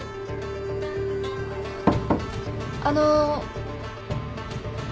あの。